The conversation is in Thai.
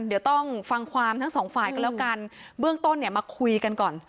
เดี๋ยวต้องฟังความทั้งสองฝ่ายก็แล้วกันเบื้องต้นเนี่ยมาคุยกันก่อน